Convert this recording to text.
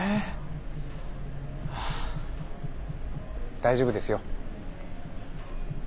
大丈夫ですよ。え？